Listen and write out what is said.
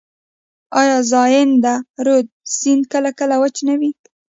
آیا زاینده رود سیند کله کله وچ نه وي؟